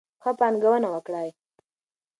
ښه پانګونه وکړئ.